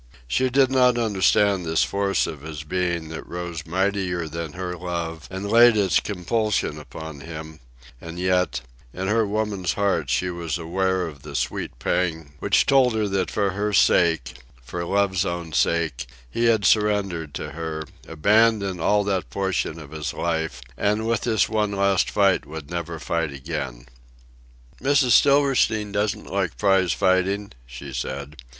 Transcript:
She did not understand this force of his being that rose mightier than her love and laid its compulsion upon him; and yet, in her woman's heart she was aware of the sweet pang which told her that for her sake, for Love's own sake, he had surrendered to her, abandoned all that portion of his life, and with this one last fight would never fight again. "Mrs. Silverstein doesn't like prize fighting," she said.